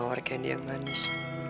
mawar candy yang manis